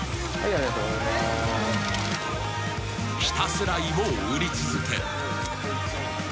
［ひたすら芋を売り続け］